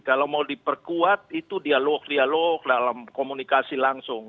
kalau mau diperkuat itu dialog dialog dalam komunikasi langsung